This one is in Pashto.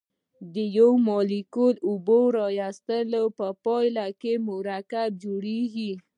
د یو مالیکول اوبو ایستلو په پایله کې مرکب جوړیږي.